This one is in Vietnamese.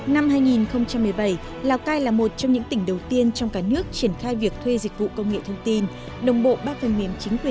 năm hai nghìn một mươi bảy lào cai là một trong những tỉnh đầu tiên trong cả nước triển khai việc thuê dịch vụ công nghệ thông tin